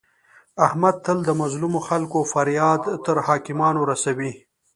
احمد تل د مظلمو خلکو فریاد تر حاکمانو رسوي.